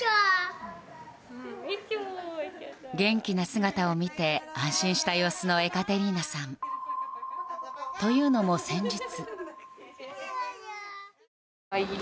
元気な姿を見て安心した様子のエカテリーナさん。というのも先日。